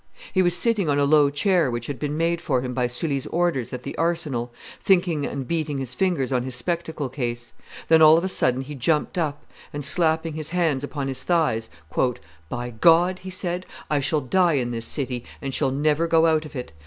He was sitting on a low chair which had been made for him by Sully's orders at the Arsenal, thinking and beating his fingers on his spectacle case; then all on a sudden he jumped up, and slapping his hands upon his thighs, "By God," he said, "I shall die in this city, and shall never go out of it.